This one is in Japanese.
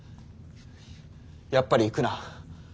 やっぱり行くな。